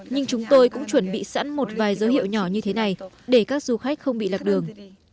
nhưng chúng tôi cũng chuẩn bị sẵn một vài dấu hiệu nhỏ như thế này để các du khách không bị lạc đường